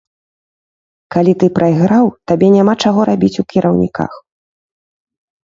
Калі ты прайграў, табе няма чаго рабіць у кіраўніках.